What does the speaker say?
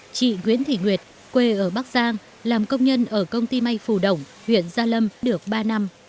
chị nguyễn thị nguyệt quê ở bắc giang làm công nhân ở công ty may phù đồng huyện gia lâm được ba năm